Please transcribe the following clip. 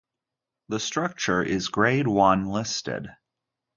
The structure is Grade One listed.